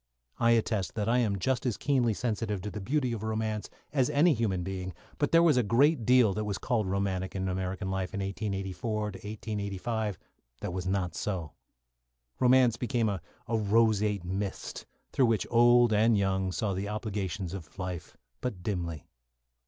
I attest that I am just as keenly sensitive to the beauty of romance as any human being, but there was a great deal that was called romantic in American life in 1884 1885 that was not so. Romance became a roseate mist, through which old and young saw the obligations of life but dimly.